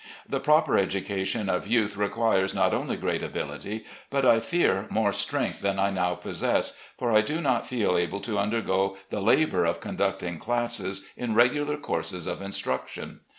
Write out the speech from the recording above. The proper education of youth requires not only great ability, but I fear more strength than I now possess, for I do not feel able to undergo the labour of conducting classes in regular courses of instruction.